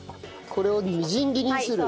これをみじん切りにする？